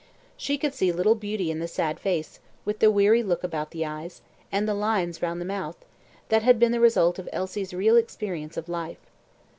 She could see little beauty in the sad face, with the weary look about the eyes, and the lines round the mouth, that had been the result of Elsie's real experience of life.